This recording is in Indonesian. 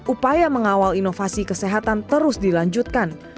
upaya mengawal inovasi kesehatan terus dilanjutkan